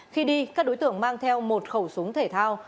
khi đi các đối tượng mang theo một khẩu súng thể thao